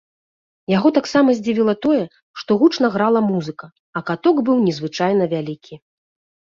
Яго таксама здзівіла тое, што гучна грала музыка, а каток быў незвычайна вялікі.